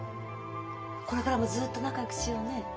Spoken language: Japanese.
これからもずっと仲よくしようね。